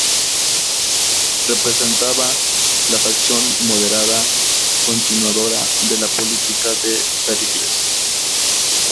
Representaba la facción moderada, continuadora de la política de Pericles.